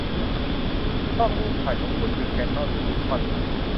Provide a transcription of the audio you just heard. กล้องถ่ายรูปของคุณคือแคนนอนหรือนิคอน